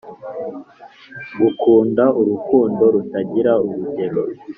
ngukunda urukundo rutagira urugero”